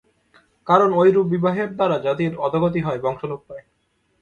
কারণ ঐরূপ বিবাহের দ্বারা জাতির অধোগতি হয়, বংশ লোপ পায়।